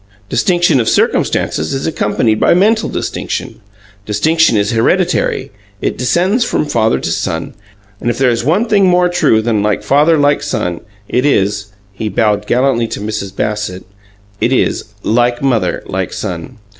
Distinction of circumstances is accompanied by mental distinction. Distinction is hereditary; it descends from father to son, and if there is one thing more true than 'Like father, like son,' it is " he bowed gallantly to Mrs. Bassett "it is, 'Like mother, like son.'